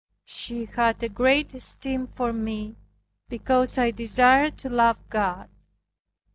She had a great esteem for me, because I desired to love God.